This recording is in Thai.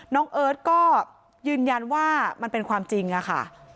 เอิร์ทก็ยืนยันว่ามันเป็นความจริงอะค่ะ